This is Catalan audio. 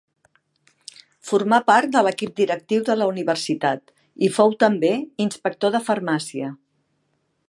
Formà part de l'equip directiu de la universitat i fou també inspector de farmàcia.